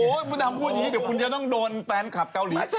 โอ้ยคุณทำพูดอย่างนี้เดี๋ยวคุณจะต้องโดนแฟนคัปเกาหลีตลุมด่า